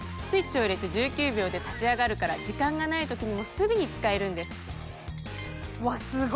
スイッチを入れて１９秒で立ち上がるから時間がない時にもすぐに使えるんです。